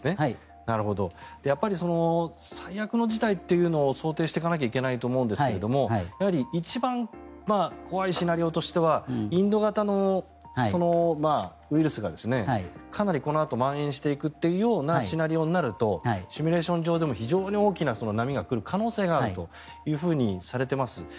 やっぱり最悪の事態っていうのを想定していかないといけないと思うんですがやはり一番怖いシナリオとしてはインド型のウイルスがかなりこのあとまん延していくというようなシナリオになるとシミュレーション上でも非常に大きな波が来る可能性があるとされています。